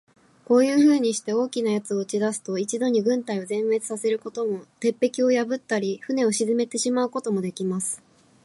こういうふうにして、大きな奴を打ち出すと、一度に軍隊を全滅さすことも、鉄壁を破ったり、船を沈めてしまうこともできます。